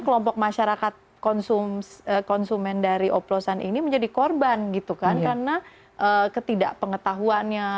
kelompok masyarakat konsumen dari oplosan ini menjadi korban gitu kan karena ketidakpengetahuannya